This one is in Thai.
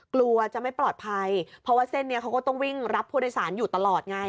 กลัวจะไม่ปลอดภัยเพราะว่าเส้นนี้เขาก็ต้องวิ่งรับผู้โดยสารอยู่ตลอดไง